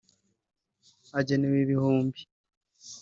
agenewe ibihumbi)